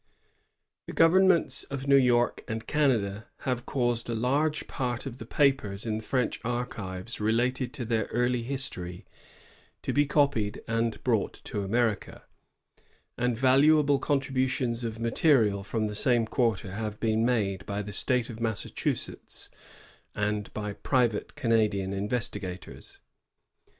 The governments of New York and of Canada have caused a large part of the papers in the French archives relating to their early history to be copied and brought to America, and valuable contributions of material from the same quarter have been made by the State of Massachusetts and by private Canadian investigators.